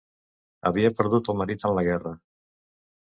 Havia perdut el marit en la guerra.